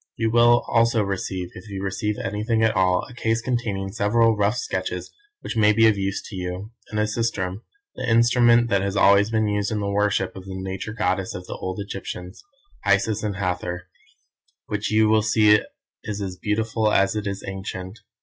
You will also receive, if you receive anything at all, a case containing several rough sketches which may be of use to you, and a sistrum, the instrument that has been always used in the worship of the Nature goddesses of the old Egyptians, Isis and Hathor, which you will see is as beautiful as it is ancient.